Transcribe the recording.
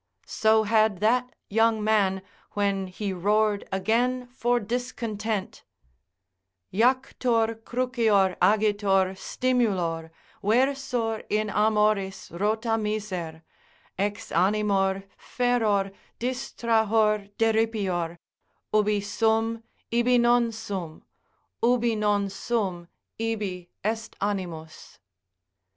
So had that young man, when he roared again for discontent, Jactor, crucior, agitor, stimulor, Versor in amoris rota miser, Exanimor, feror, distrahor, deripior, Ubi sum, ibi non sum; ubi non sum, ibi est animus.